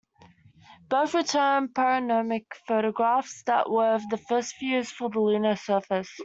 Both returned panoramic photographs that were the first views from the lunar surface.